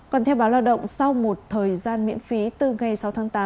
còn theo báo lao động sau một thời gian miễn phí từ ngày sáu tháng tám